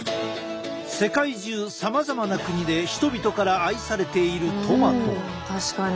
世界中さまざまな国で人々から愛されているトマト。